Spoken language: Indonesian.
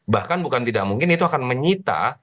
bahkan bukan tidak mungkin itu akan menyita